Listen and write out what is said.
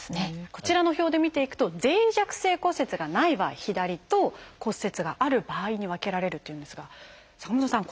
こちらの表で見ていくと脆弱性骨折がない場合左と骨折がある場合に分けられるというんですが坂本さん